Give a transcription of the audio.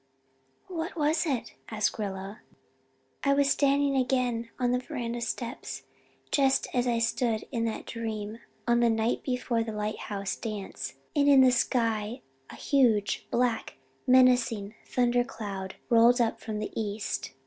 "What was it?" asked Rilla. "I was standing again on the veranda steps just as I stood in that dream on the night before the lighthouse dance, and in the sky a huge black, menacing thunder cloud rolled up from the east.